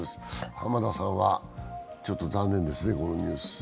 浜田さんはちょっと残念ですね、このニュース。